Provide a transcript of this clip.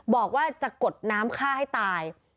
บอกว่าจะกดน้ำฆ่าให้ตาย